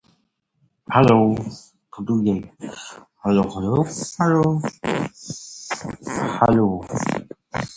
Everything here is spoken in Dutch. De humanitaire zorg zal daardoor wezenlijk eenvoudiger worden.